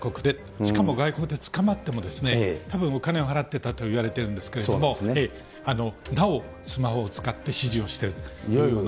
しかも外国で捕まっても、たぶんお金を払ってたといわれているんですけれども、なおスマホを使って指示をしているというような。